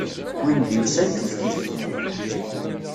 Win d-yusan, kifkif.